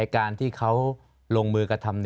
การที่เขาลงมือกระทำ